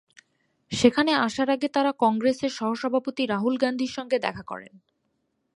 সেখানে আসার আগে তাঁরা কংগ্রেসের সহসভাপতি রাহুল গান্ধীর সঙ্গে দেখা করেন।